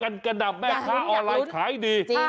กระดับแม่ค้าออนไลน์ขายดี